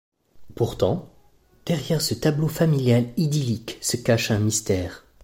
Pourtant, derrière ce tableau familial idyllique se cache un mystère.